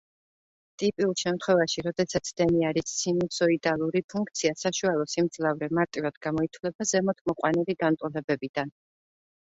ტიპიურ შემთხვევაში, როდესაც დენი არის სინუსოიდალური ფუნქცია, საშუალო სიმძლავრე მარტივად გამოითვლება ზემოთ მოყვანილი განტოლებებიდან.